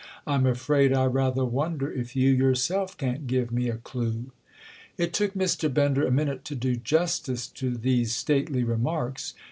—I'm afraid I rather wonder if you yourself can't give me a clue." It took Mr. Bender a minute to do justice to these stately remarks.